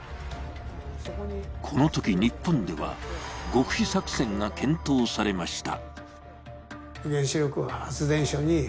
このとき日本では、極秘作戦が検討されました。